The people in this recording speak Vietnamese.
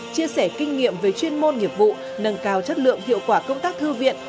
chia sẻ kinh nghiệm về chuyên môn nghiệp vụ nâng cao chất lượng hiệu quả công tác thư viện